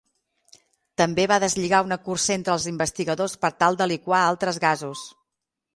També va deslligar una cursa entre els investigadors per tal de liquar altres gasos.